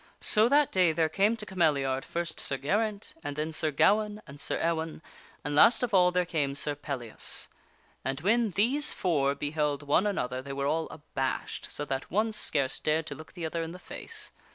So that day there came to Cameliard, first Sir Geraint and then Sir Gawaine and Sir Ewaine, and last of all there came Sir Pellias. And when these four beheld one another they were all abashed so that one scarce dared to look the other in the face.